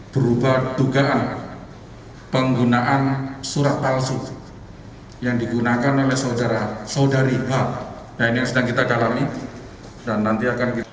berupa dugaan penggunaan surat palsu yang digunakan oleh saudara saudari banding